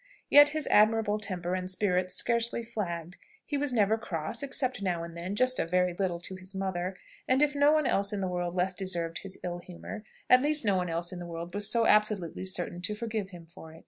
Yet his admirable temper and spirits scarcely flagged. He was never cross, except, now and then, just a very little to his mother. And if no one else in the world less deserved his ill humour, at least no one else in the world was so absolutely certain to forgive him for it!